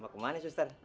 mau ke mana suster